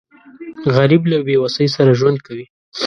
غریب له بېوسۍ سره ژوند کوي